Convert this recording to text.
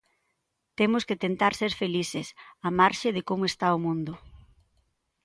Temos que tentar ser felices, á marxe de como está o mundo.